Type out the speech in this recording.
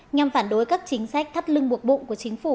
nhằm phản đối các chính sách thắt lưng buộc bụng của chính phủ